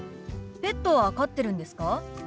ペットは飼ってるんですか？